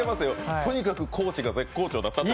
とにかく高地が絶好調だったと。